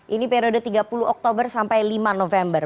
ini periode tiga puluh oktober sampai lima november